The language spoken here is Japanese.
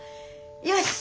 よし！